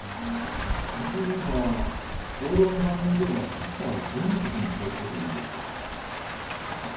そういえば報道の番組ではキャスターはどんなことに気を付けているんでしょうか？